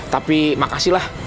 tapi makasih lah